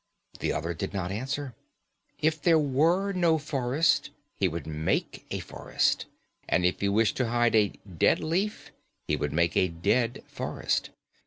The other did not answer. "If there were no forest, he would make a forest. And if he wished to hide a dead leaf, he would make a dead forest."